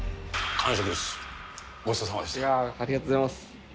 ありがとうございます。